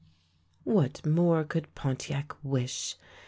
What more could Pontiac wish?